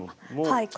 はい。